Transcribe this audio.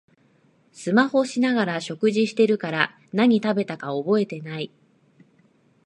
スマホしながら食事してるから何食べたか覚えてない